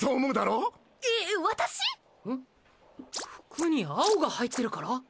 服に青が入ってるから？